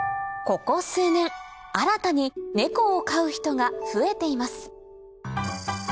ここ数年新たにネコを飼う人が増えています